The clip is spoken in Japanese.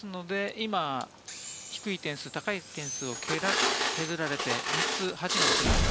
今、低い点数、高い点数を削られて、３つ８が残りました。